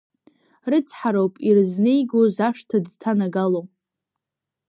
Рыцҳароуп ирызнеиго зашҭа дҭанагало.